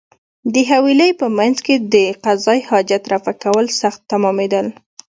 د حویلۍ په مېنځ کې د قضای حاجت رفع کول سخت تمامېدل.